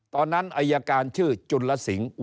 ตอนนั้นอัยการชื่อจุลสิงค์